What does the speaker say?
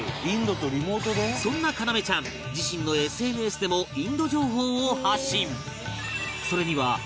そんなカナメちゃん自身の ＳＮＳ でもインド情報を発信